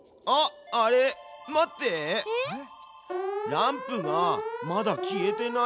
ランプがまだ消えてない。